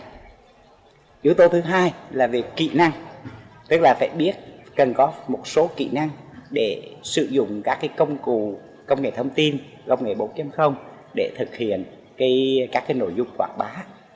thứ hai là về kỹ năng tức là phải biết cần có một số kỹ năng để sử dụng các công cụ công nghệ thông tin công nghệ bốn để thực hiện các nội dung quảng bá